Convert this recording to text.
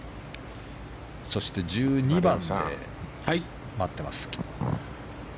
そして１２番で待ってます。